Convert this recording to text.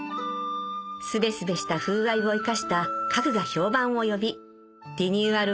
スベスベした風合いを生かした家具が評判を呼びリニューアル